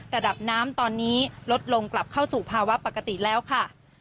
ระดับน้ำตอนนี้ลดลงกลับเข้าสู่ภาวะปกติแล้วค่ะ